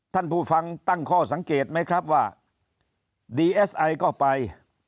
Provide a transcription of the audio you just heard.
ท่านผู้ฟังตั้งข้อสังเกตไหมครับว่าดีเอสไอก็ไป